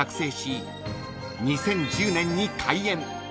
［２０１０年に開園］